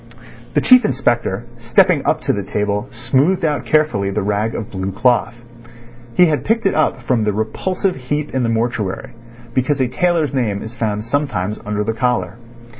The Chief Inspector, stepping up to the table, smoothed out carefully the rag of blue cloth. He had picked it up from the repulsive heap in the mortuary, because a tailor's name is found sometimes under the collar.